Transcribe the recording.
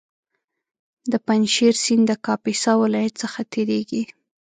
د پنجشېر سیند د کاپیسا ولایت څخه تېرېږي